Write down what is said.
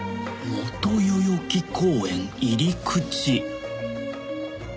元代々木公園入り口１６時。